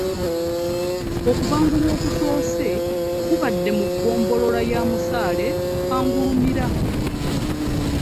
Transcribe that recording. Okubangulwa okusoose kubadde mu ggombolola ya Musaale Kangulumira